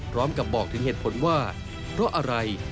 พร้อมกับบอกถึงเหตุผลว่าเพราะอะไร